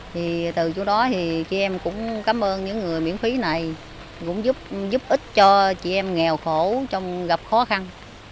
thì từ chỗ đó thì chị em cũng cảm ơn những người miễn phí này cũng giúp ích cho chị em nghèo khổ gặp khó khăn